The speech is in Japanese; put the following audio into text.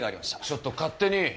ちょっと勝手に。